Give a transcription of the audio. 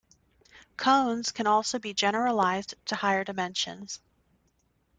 Cones can also be generalized to higher dimensions.